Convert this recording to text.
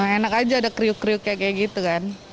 enak aja ada kriuk kriuk kayak gitu kan